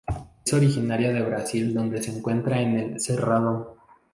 Es originaria de Brasil donde se encuentra en el Cerrado.